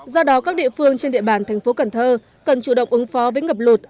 do đó các địa phương trên địa bàn tp cần thơ cần chủ động ứng phó với ngập lụt